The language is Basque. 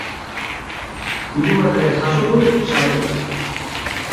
Hirugarrenez jaso du saria.